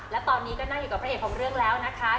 และตอนนี้ก็นั่งอยู่กับพระเอกของเรื่องแล้วนะคะ